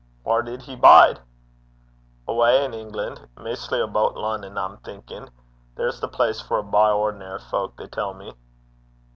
'Whaur did he bide?' 'Awa' in Englan' maistly aboot Lonnon, I'm thinkin'. That's the place for a' by ordinar fowk, they tell me.'